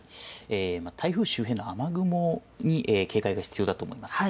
台風周辺の雨雲に警戒が必要だと思います。